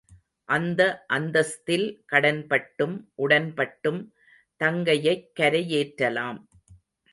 அந்த அந்தஸ்த்தில் கடன்பட்டும், உடன்பட்டும் தங்கையைக் கரையேற்றலாம்.